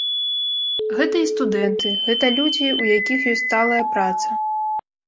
Гэта і студэнты, гэта людзі, у якіх ёсць сталая праца.